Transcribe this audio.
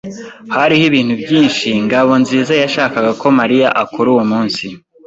Hariho ibintu byinshi Ngabonzizayashakaga ko Mariya akora uwo munsi.